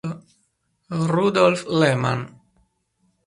Rudolf Lehmann